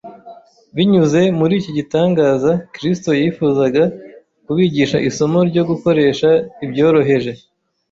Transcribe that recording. Binyuze muri iki gitangaza, Kristo yifuzaga kubigisha isomo ryo gukoresha ibyoroheje.